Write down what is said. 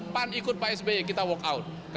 pan ikut pak sby kita walk out